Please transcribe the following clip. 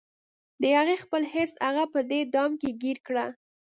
د هغې خپل حرص هغه په دې دام کې ګیر کړه